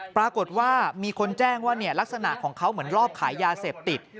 ปรากฏว่ามีคนแจ้งว่าลักษณะของเขาเหมือนรอบขายยาเสพติด